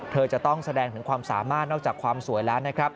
เธอจะต้องแสดงถึงความสามารถนอกจากความสวยแล้วนะครับ